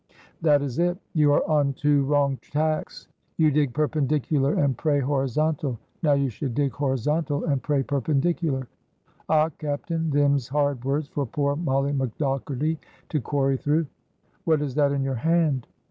"That is it. You are on two wrong tacks. You dig perpendicular and pray horizontal. Now you should dig horizontal and pray perpendicular." "Och! captain, thim's hard words for poor Molly McDogherty to quarry through." "What is that in your hand?"